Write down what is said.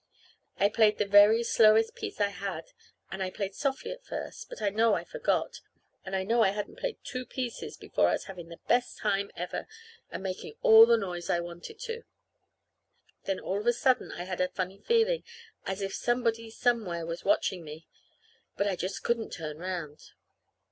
I played the very slowest piece I had, and I played softly at first; but I know I forgot, and I know I hadn't played two pieces before I was having the best time ever, and making all the noise I wanted to. Then all of a sudden I had a funny feeling as if somebody somewhere was watching me; but I just couldn't turn around.